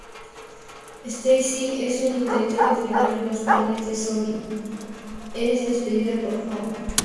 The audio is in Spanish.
Stacy en un intento por frenar los planes de Zorin es despedida por Howe.